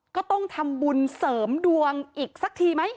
ก็ต้องทำบุญเสริมดวงอีกสักทีไหม